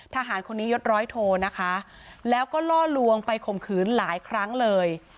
ทหารคนนี้ยดร้อยโทนะคะแล้วก็ล่อลวงไปข่มขืนหลายครั้งเลย